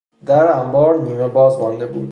در انبار نیمه باز مانده بود.